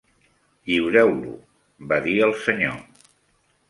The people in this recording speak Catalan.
"Lliureu-lo", va dir el senyor.